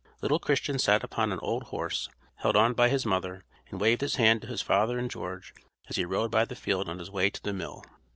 Little Christian sat upon an old horse, held on by his mother, and waved his hand to his father and George as he rode by the field on his way to the mill.